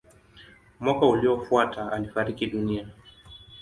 Mwaka uliofuata alifariki dunia.